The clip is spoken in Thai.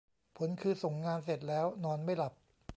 ผลคือส่งงานเสร็จแล้วนอนไม่หลับ !